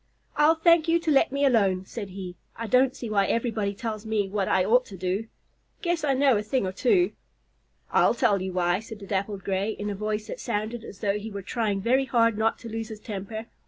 "I'll thank you to let me alone," said he. "I don't see why everybody tells me what I ought to do. Guess I know a thing or two." "I'll tell you why," said the Dappled Gray, in a voice that sounded as though he were trying very hard not to lose his temper.